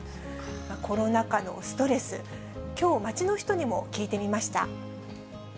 コロナ禍のストレス、きょう街の人にも聞いてみました。